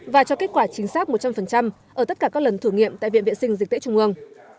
và cho kết quả chính xác một trăm linh ở tất cả các lần thử nghiệm tại viện vệ sinh dịch tễ trung ương